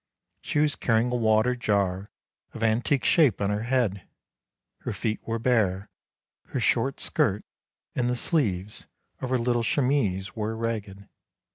She was carrying a water jar of antique shape on her head: her feet were bare, her short skirt and the sleeves of her little chemise were ragged.